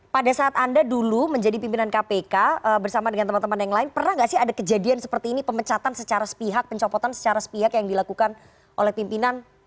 pada saat anda dulu menjadi pimpinan kpk bersama dengan teman teman yang lain pernah nggak sih ada kejadian seperti ini pemecatan secara sepihak pencopotan secara sepihak yang dilakukan oleh pimpinan